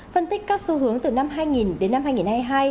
phân tích các xu hướng từ năm hai nghìn đến năm hai nghìn hai mươi hai